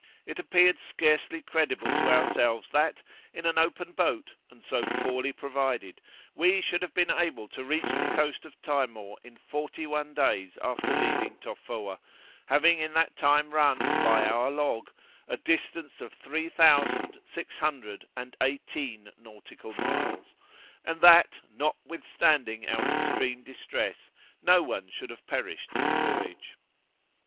It appeared scarcely credible to ourselves that, in an open boat, and so poorly provided, we should have been able to reach the coast of Timor in forty one days after leaving Tofoa, having in that time run, by our log, a distance of three thousand six hundred and eighteen nautical miles; and that, notwithstanding our extreme distress, no one should have perished in the voyage.'